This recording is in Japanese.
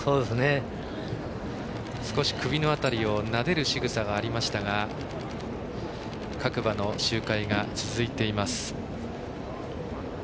少し首の辺りをなでるしぐさがありましたが各馬の周回が続いています。